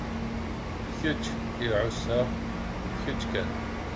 D kečč i ɛuṣaɣ, d kečč kan.